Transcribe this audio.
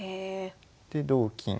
で同金。